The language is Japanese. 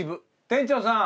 店長さん！